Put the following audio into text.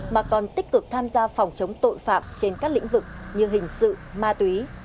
mà còn tích cực tham gia phòng chống tội phạm trên các lĩnh vực như hình sự ma túy